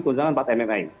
mengalami guncangan empat mmi